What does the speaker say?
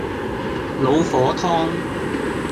老火湯